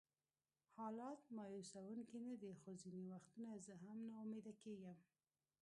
حالات مایوسونکي نه دي، خو ځینې وختونه زه هم ناامیده کېږم.